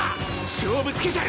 勝負つけちゃる！